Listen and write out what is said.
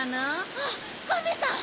あっガメさん！